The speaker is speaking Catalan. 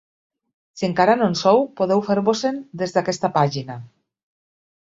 Si encara no en sou podeu fer-vos-en des d’aquesta pàgina.